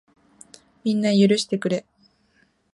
みんな、許してくれ。